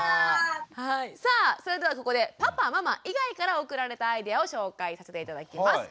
さあそれではここでパパママ以外から送られたアイデアを紹介させて頂きます。